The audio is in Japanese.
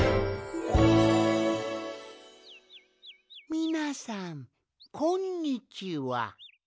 みなさんこんにちは。